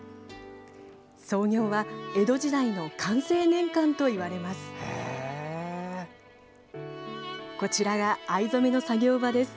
創業は、江戸時代の寛政年間といわれます。